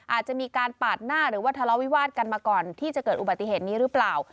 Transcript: อาจจะมีการปาดหน้าหรือว่าทะเลาวิวาสกันมาก่อนที่จะเกิดอุบัติเหตุนี้หรือเปล่า